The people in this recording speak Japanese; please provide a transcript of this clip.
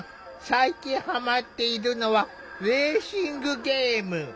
最近ハマっているのはレーシングゲーム。